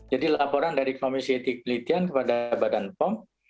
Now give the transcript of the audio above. jadi laporan dari komisi etik penelitian kepada badan pom